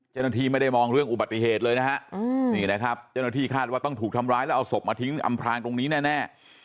เจ้าหน้าที่ไม่ได้มองเรื่องอุบัติเหตุเลยนะฮะนี่นะครับเจ้าหน้าที่คาดว่าต้องถูกทำร้ายแล้วเอาศพมาทิ้งอำพลางตรงนี้แน่